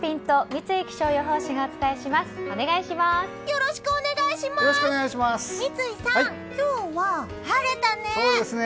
三井さん、今日は晴れたね。